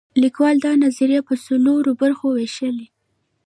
لیکوال دا نظریه په څلورو برخو ویشلې.